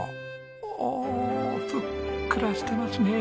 おおふっくらしてますね。